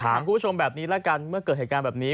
คุณผู้ชมแบบนี้ละกันเมื่อเกิดเหตุการณ์แบบนี้